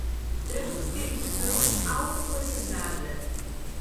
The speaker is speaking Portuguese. Transcrição autorizada